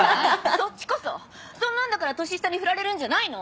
そっちこそそんなんだから年下にフラれるんじゃないの？